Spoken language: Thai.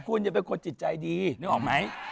คุณเป็นคนจิตใจดีนึกออกไหม